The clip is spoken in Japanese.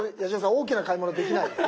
大きな買い物できないです。